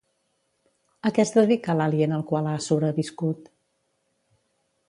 A què es dedica l'Alien al qual ha sobreviscut?